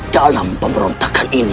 dalam pemberontakan ini